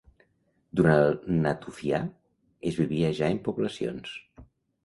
Durant el natufià es vivia ja en poblacions.